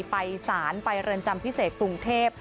ไปสารไปเรือนจำพิเศษกรุงเทพ